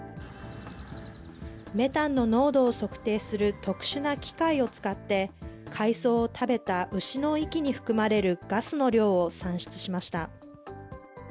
メタンの濃度を測定する特殊な機械を使って、海藻を食べた牛の息に含まれるガスの量を算出しました。